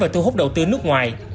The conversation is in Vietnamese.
về thu hút đầu tư nước ngoài